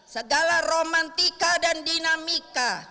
segala romantika dan dinamika